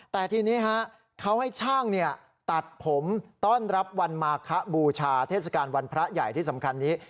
แต่ทีนี้เขาให้ช่างตัดผมต้อนรับวันมาคบูชาเทศกาลวันพระใหญ่ที่สำคัญนี้